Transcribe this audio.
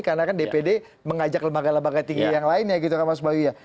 karena kan dpd mengajak lembaga lembaga tinggi yang lainnya gitu kan mas bayu ya